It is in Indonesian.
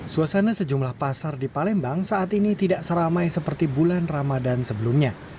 suasana sejumlah pasar di palembang saat ini tidak seramai seperti bulan ramadan sebelumnya